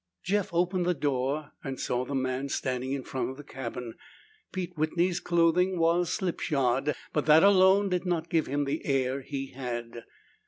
Jeff opened the door and saw the man standing in front of the cabin. Pete Whitney's clothing was slipshod, but that alone did not give him the air he had.